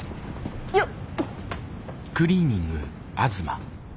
よっ。